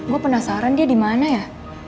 gue penasaran dia dimana ya